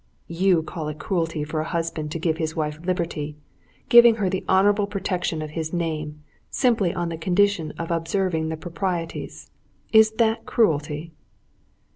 "You call it cruelty for a husband to give his wife liberty, giving her the honorable protection of his name, simply on the condition of observing the proprieties: is that cruelty?"